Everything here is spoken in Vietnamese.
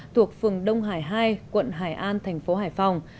thuộc phường đông hải hai quận hải an thành phố hải phòng